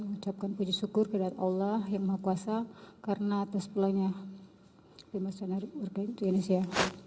mengucapkan puji syukur kepada allah yang mahu kuasa karena atas peluangnya pembebasan orang indonesia